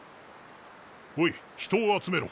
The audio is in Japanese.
おい人を集めろ。